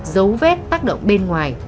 giấu vét tác động bên ngoài